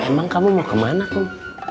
emang kamu mau kemana kok